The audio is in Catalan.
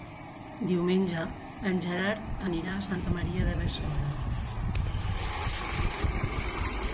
Diumenge en Gerard anirà a Santa Maria de Besora.